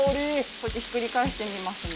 こっちひっくり返してみますね。